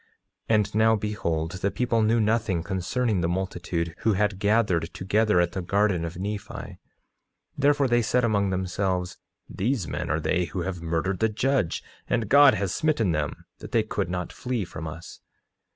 9:8 And now behold, the people knew nothing concerning the multitude who had gathered together at the garden of Nephi; therefore they said among themselves: These men are they who have murdered the judge, and God has smitten them that they could not flee from us.